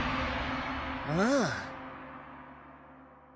ああ。